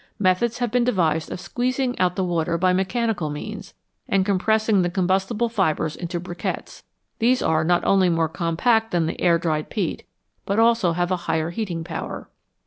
Methods have been devised of squeezing out the water by mechanical means, and compressing the combustible fibres into briquettes ; these are not only more compact than the air dried peat, but have also a higher heating power.